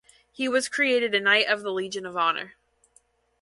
He was created a knight of the Legion of Honour.